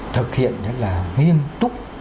thực hiện nghiêm túc